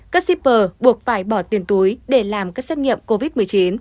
các shipper buộc phải bỏ tiền túi để làm các xét nghiệm covid một mươi chín